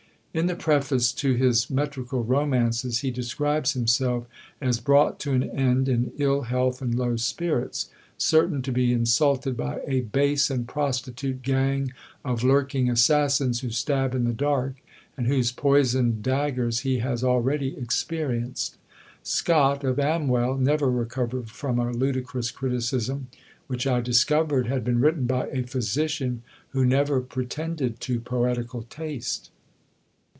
In the preface to his "Metrical Romances," he describes himself as "brought to an end in ill health and low spirits certain to be insulted by a base and prostitute gang of lurking assassins who stab in the dark, and whose poisoned daggers he has already experienced." Scott, of Amwell, never recovered from a ludicrous criticism, which I discovered had been written by a physician who never pretended to poetical taste.